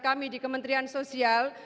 kami di kementerian sosial